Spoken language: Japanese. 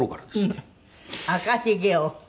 『赤ひげ』を？